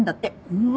うわ。